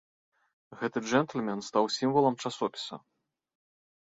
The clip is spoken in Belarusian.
Гэты джэнтльмен стаў сімвалам часопіса.